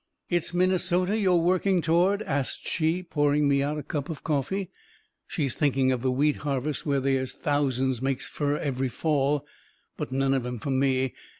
"It's Minnesota you're working toward?" asts she, pouring me out a cup of coffee. She is thinking of the wheat harvest where they is thousands makes fur every fall. But none of 'em fur me.